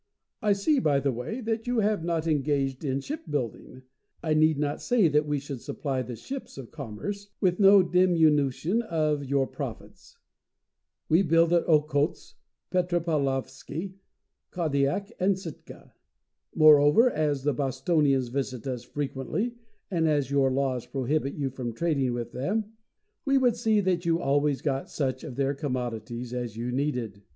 I see, by the way, that you have not engaged in shipbuilding. I need not say that we should supply the ships of commerce, with no diminution of your profits. We build at Okhotsk, Petropaulovski, Kadiak, and Sitka. Moreover, as the Bostonians visit us frequently, and as your laws prohibit you from trading with them, we would see that you always got such of their commodities as you needed.